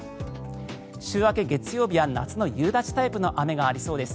週明け、月曜日は夏の夕立タイプの雨がありそうです。